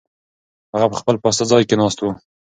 هغه په خپل پاسته ځای کې ناست و.